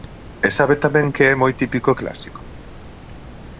¿E sabe tamén que é moi típico e clásico?